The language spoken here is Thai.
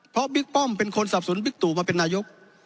เพราะบิ๊กป้อมเป็นคนสับสนบิ๊กตู่มาเป็นนายก